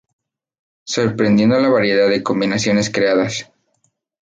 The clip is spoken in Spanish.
Sorprendiendo la variedad de combinaciones creadas.